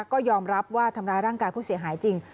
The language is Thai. ก็ยอมรับว่าทำร้ายร่างกายผู้เสียหายจริง